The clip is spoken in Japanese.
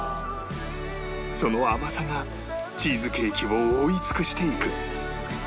その甘さがチーズケーキを覆い尽くしていく